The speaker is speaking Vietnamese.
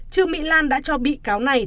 trương mỹ lan đã cho bị cáo này